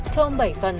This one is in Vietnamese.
tom bảy phần